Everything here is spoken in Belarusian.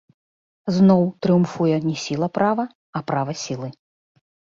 Зноў трыумфуе не сіла права, а права сілы.